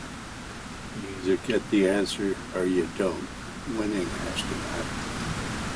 You either get the answer, or you don't... Winning has to matter.